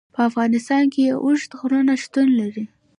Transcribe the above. په افغانستان کې اوږده غرونه شتون لري.